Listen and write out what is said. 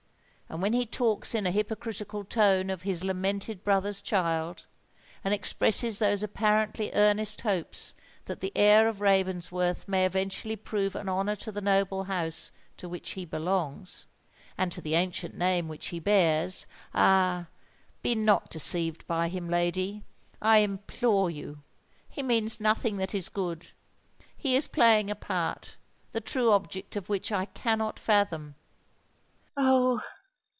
And when he talks in a hypocritical tone of his lamented brother's child—and expresses those apparently earnest hopes that the heir of Ravensworth may eventually prove an honour to the noble house to which he belongs, and to the ancient name which he bears,—ah! be not deceived by him, lady—I implore you: he means nothing that is good—he is playing a part, the true object of which I cannot fathom!" "Oh!